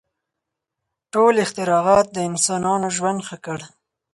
• ټول اختراعات د انسانانو ژوند ښه کړ.